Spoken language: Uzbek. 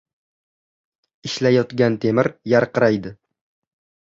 • Ishlayotgan temir yarqiraydi.